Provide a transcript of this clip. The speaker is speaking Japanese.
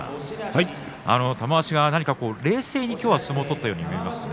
玉鷲が何か冷静に今日は相撲を取ったように見えますね。